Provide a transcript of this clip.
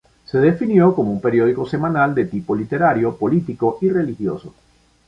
Se definió como un periódico semanal de tipo literario, político y religioso.